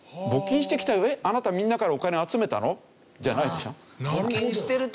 えっあなたみんなからお金集めたの？じゃないでしょ。